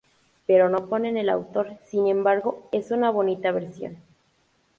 Pero no ponen el autor sin embargo es una bonita versión.